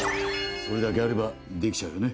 「それだけあればできちゃうよね